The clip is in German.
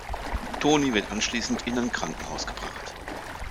Tony wird anschließend in ein Krankenhaus gebracht.